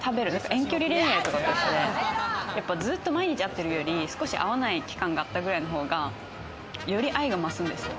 遠距離恋愛と一緒で、ずっと毎日会ってるより、少し会わない期間があったくらいの方が、より愛が増すんですよ。